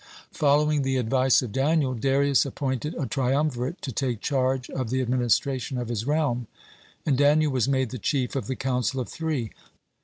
(9) Following the advice of Daniel, Darius (10) appointed a triumvirate to take charge of the administration of his realm, and Daniel was made the chief of the council of three.